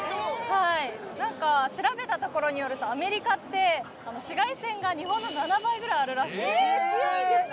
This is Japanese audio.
はい調べたところによるとアメリカって紫外線が日本の７倍ぐらいあるらしくて強いんですね！